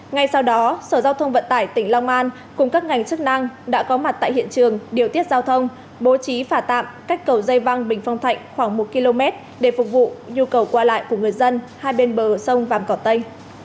ngay sau đó sở giao thông vận tải tỉnh long an cùng các ngành chức năng đã có mặt tại hiện trường điều tiết giao thông bố trí phà tạm cách cầu dây văng bình phong thạnh khoảng một km để phục vụ nhu cầu qua lại của người dân hai bên bờ sông vàm cỏ tây